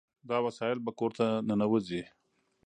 دا وسایل به کور ته ننوځي.